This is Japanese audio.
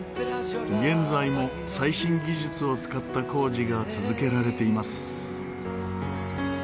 現在も最新技術を使った工事が続けられています。